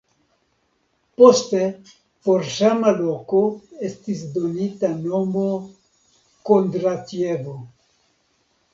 Poste por sama loko estis donita nomo Kondratjevo.